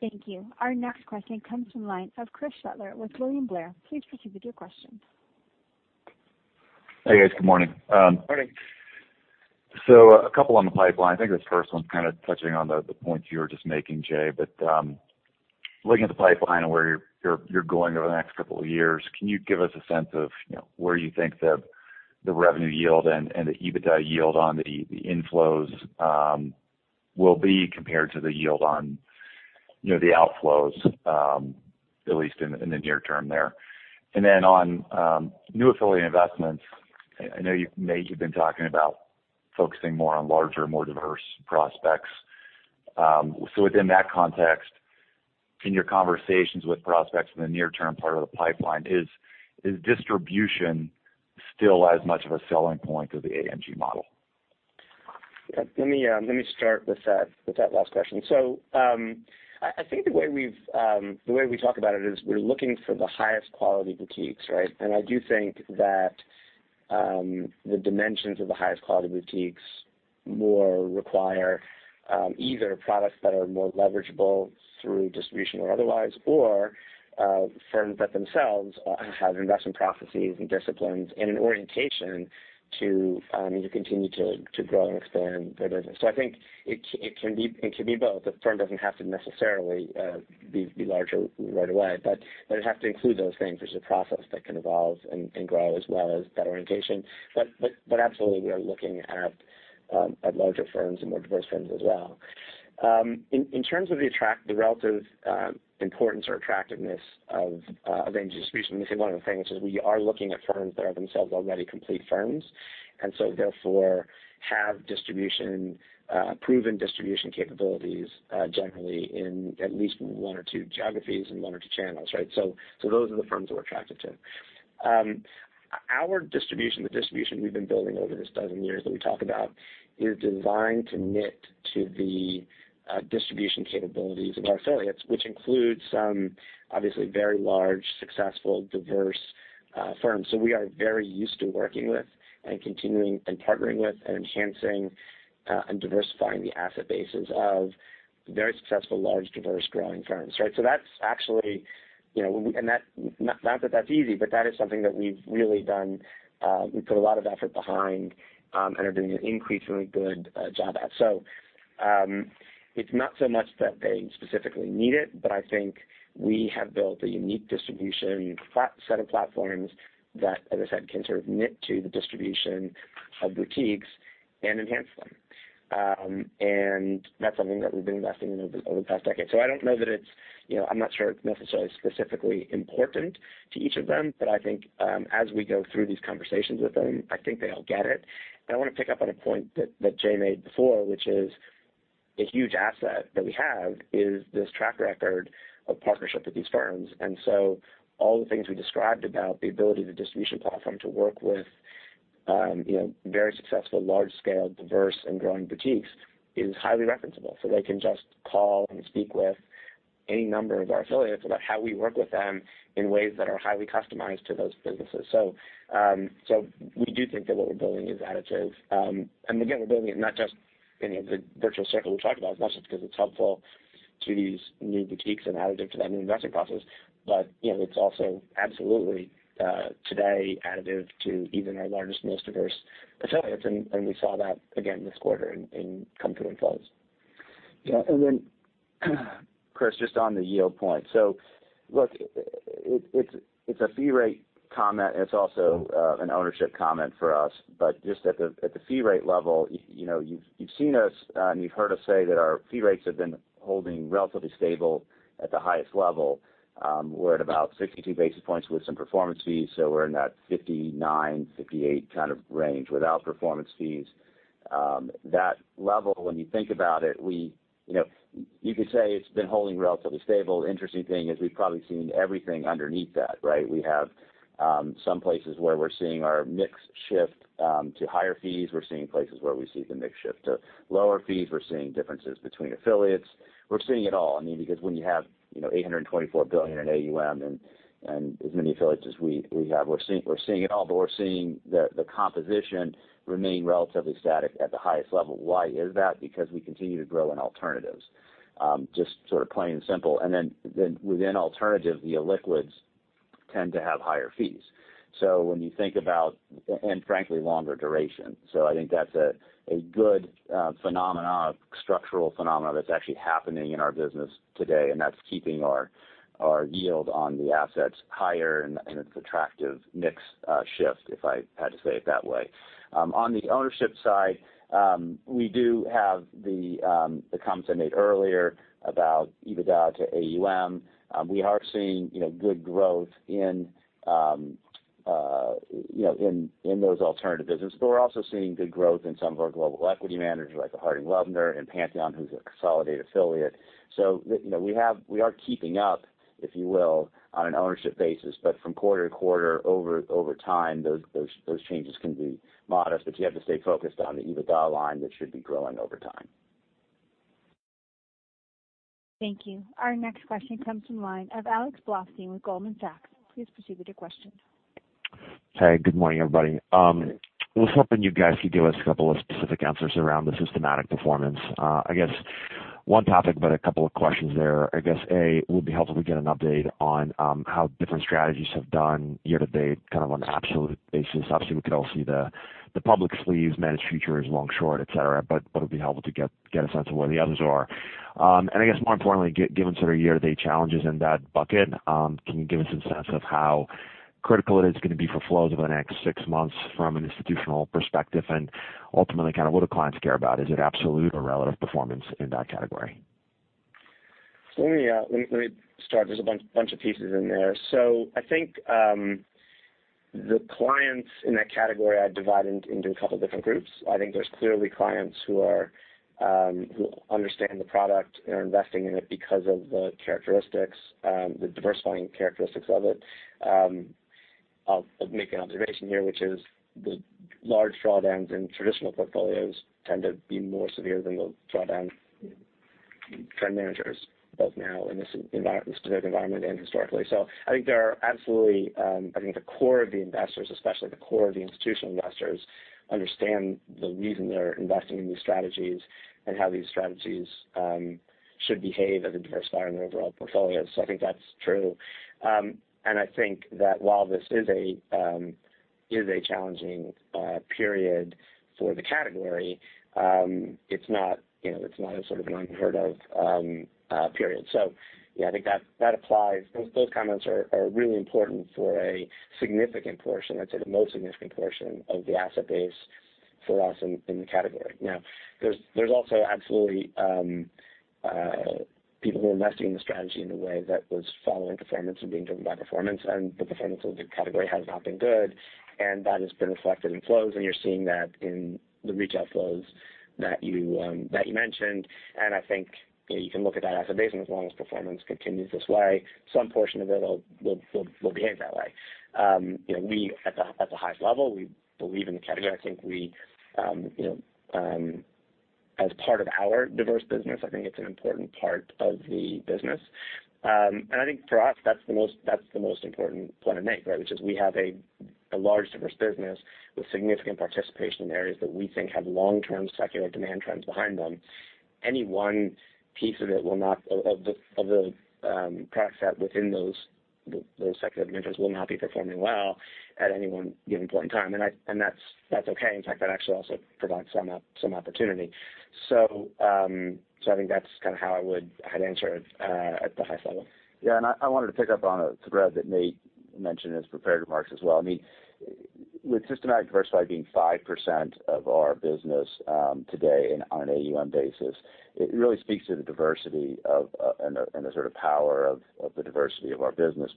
Thank you. Our next question comes from the line of Chris Shutler with William Blair. Please proceed with your question. Hey, guys. Good morning. Morning. A couple on the pipeline. I think this first one's kind of touching on the point you were just making, Jay. Looking at the pipeline and where you're going over the next couple of years, can you give us a sense of where you think the revenue yield and the EBITDA yield on the inflows will be compared to the yield on the outflows at least in the near term there? On new affiliate investments, I know you've been talking about focusing more on larger, more diverse prospects. Within that context, in your conversations with prospects in the near-term part of the pipeline, is distribution still as much of a selling point of the AMG model? Let me start with that last question. I think the way we talk about it is we're looking for the highest quality boutiques, right? I do think that the dimensions of the highest quality boutiques more require either products that are more leverageable through distribution or otherwise, or firms that themselves have investment processes and disciplines and an orientation to continue to grow and expand their business. I think it can be both. A firm doesn't have to necessarily be larger right away, but it would have to include those things. There's a process that can evolve and grow as well as that orientation. Absolutely, we are looking at larger firms and more diverse firms as well. In terms of the relative importance or attractiveness of any distribution, we say one of the things is we are looking at firms that are themselves already complete firms, therefore have proven distribution capabilities generally in at least one or two geographies and one or two channels, right? Those are the firms we're attracted to. Our distribution, the distribution we've been building over this dozen years that we talk about, is designed to knit to the distribution capabilities of our affiliates, which includes some obviously very large, successful, diverse firms. We are very used to working with and continuing and partnering with and enhancing and diversifying the asset bases of very successful, large, diverse growing firms, right? Not that's easy, but that is something that we've really done. We put a lot of effort behind and are doing an increasingly good job at. It's not so much that they specifically need it, but I think we have built a unique distribution set of platforms that, as I said, can sort of knit to the distribution of boutiques and enhance them. That's something that we've been investing in over the past decade. I'm not sure it's necessarily specifically important to each of them, but I think as we go through these conversations with them, I think they all get it. I want to pick up on a point that Jay made before, which is a huge asset that we have is this track record of partnership with these firms. All the things we described about the ability of the distribution platform to work with very successful, large-scale, diverse, and growing boutiques is highly referenceable. They can just call and speak with any number of our affiliates about how we work with them in ways that are highly customized to those businesses. We do think that what we're building is additive. Again, we're building it not just the virtual circle we talked about. It's not just because it's helpful to these new boutiques and additive to that new investing process, but it's also absolutely today additive to even our largest, most diverse affiliates, and we saw that again this quarter in company flows. Yeah. Chris, just on the yield point. Look, it's a fee rate comment, and it's also an ownership comment for us. Just at the fee rate level, you've seen us and you've heard us say that our fee rates have been holding relatively stable at the highest level. We're at about 62 basis points with some performance fees, so we're in that 59, 58 kind of range without performance fees. That level, when you think about it, you could say it's been holding relatively stable. Interesting thing is we've probably seen everything underneath that, right? We have some places where we're seeing our mix shift to higher fees. We're seeing places where we see the mix shift to lower fees. We're seeing differences between affiliates. We're seeing it all. When you have $824 billion in AUM and as many affiliates as we have, we're seeing it all, but we're seeing the composition remain relatively static at the highest level. Why is that? Because we continue to grow in alternatives, just sort of plain and simple. Within alternatives, the illiquids tend to have higher fees. When you think about and frankly, longer duration. I think that's a good structural phenomenon that's actually happening in our business today, and that's keeping our yield on the assets higher, and it's attractive mix shift, if I had to say it that way. On the ownership side, we do have the comps I made earlier about EBITDA to AUM. We are seeing good growth in those alternative business, but we're also seeing good growth in some of our global equity managers like the Harding Loevner and Pantheon, who's a consolidated affiliate. We are keeping up, if you will, on an ownership basis, but from quarter to quarter, over time, those changes can be modest, but you have to stay focused on the EBITDA line that should be growing over time. Thank you. Our next question comes from line of Alexander Blostein with Goldman Sachs. Please proceed with your question. Hey, good morning, everybody. I was hoping you guys could give us a couple of specific answers around the systematic performance. I guess one topic, but a couple of questions there. I guess A, would be helpful to get an update on how different strategies have done year-to-date kind of on an absolute basis. Obviously, we could all see the public sleeves, managed futures, long-short, et cetera, but it would be helpful to get a sense of where the others are. I guess more importantly, given sort of year-to-date challenges in that bucket, can you give us some sense of how critical it is going to be for flows over the next 6 months from an institutional perspective? Ultimately, kind of what do clients care about? Is it absolute or relative performance in that category? Let me start. There's a bunch of pieces in there. I think the clients in that category are divided into a couple of different groups. I think there's clearly clients who understand the product and are investing in it because of the diversifying characteristics of it. I'll make an observation here, which is the large drawdowns in traditional portfolios tend to be more severe than the drawdowns trend managers, both now in this specific environment and historically. I think the core of the investors, especially the core of the institutional investors, understand the reason they're investing in these strategies and how these strategies should behave as a diversifier in their overall portfolio. I think that's true. I think that while this is a challenging period for the category, it's not a sort of unheard of period. Yeah, I think that applies. Those comments are really important for a significant portion, I'd say the most significant portion of the asset base for us in the category. Now, there's also absolutely people who are investing in the strategy in a way that was following performance or being driven by performance, and the performance of the category has not been good, and that has been reflected in flows, and you're seeing that in the retail flows that you mentioned. I think you can look at that as a base, and as long as performance continues this way, some portion of it will behave that way. At the highest level, we believe in the category. As part of our diverse business, I think it's an important part of the business. I think for us, that's the most important point to make, which is we have a large, diverse business with significant participation in areas that we think have long-term secular demand trends behind them. Any one piece of the product set within those secular demand trends will not be performing well at any one given point in time, and that's okay. In fact, that actually also provides some opportunity. I think that's how I would answer it at the high level. I wanted to pick up on a thread that Nate mentioned in his prepared remarks as well. With systematic diversified being 5% of our business today and on an AUM basis, it really speaks to the diversity and the sort of power of the diversity of our business.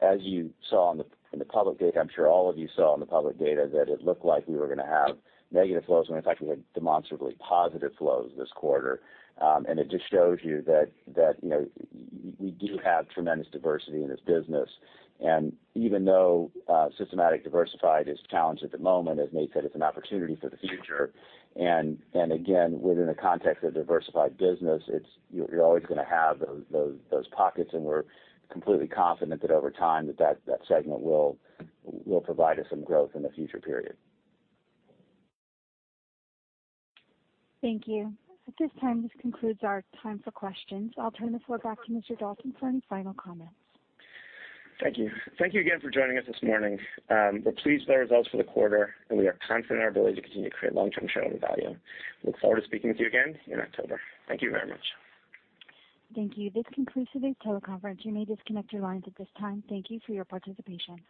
As you saw in the public data, I'm sure all of you saw in the public data, that it looked like we were going to have negative flows, when in fact we had demonstrably positive flows this quarter. It just shows you that we do have tremendous diversity in this business. Even though systematic diversified is challenged at the moment, as Nate said, it's an opportunity for the future. Again, within the context of diversified business, you're always going to have those pockets, and we're completely confident that over time that segment will provide us some growth in the future period. Thank you. At this time, this concludes our time for questions. I'll turn the floor back to Mr. Dalton for any final comments. Thank you. Thank you again for joining us this morning. We're pleased with the results for the quarter, and we are confident in our ability to continue to create long-term shareholder value. Look forward to speaking with you again in October. Thank you very much. Thank you. This concludes today's teleconference. You may disconnect your lines at this time. Thank you for your participation.